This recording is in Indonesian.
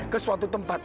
ke suatu tempat